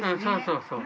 そうそう。